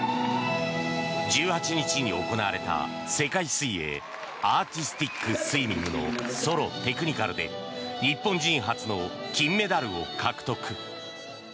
１８日に行われた世界水泳アーティスティックスイミングのソロ・テクニカルで日本人初の金メダルを獲得。